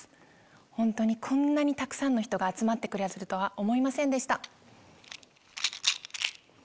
本当にこんなにたくさんの人が集まってくださるとは思いませんでした。